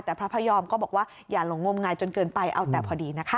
แต่พระพยอมก็บอกว่าอย่าหลงงมงายจนเกินไปเอาแต่พอดีนะคะ